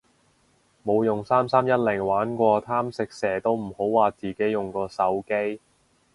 冇用三三一零玩過貪食蛇都唔好話自己用過手機